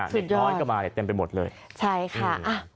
สุดยอดใช่ค่ะ